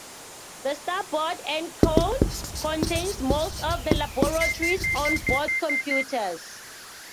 The starboard end cone contains most of the laboratory's on-board computers.